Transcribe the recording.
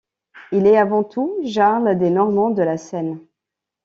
Il est avant tout jarl des Normands de la Seine.